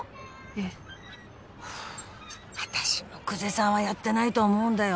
ええ私も久世さんはやってないと思うんだよ